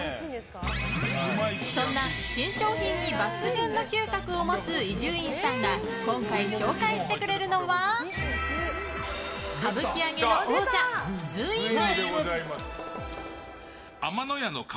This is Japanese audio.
そんな新商品に抜群の嗅覚を持つ伊集院さんが今回紹介してくれるのは歌舞伎揚げの王者・瑞夢。